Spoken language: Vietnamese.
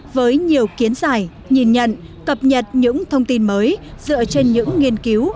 với nhiều kiến giải nhìn nhận cập nhật những thông tin mới dựa trên những nghiên cứu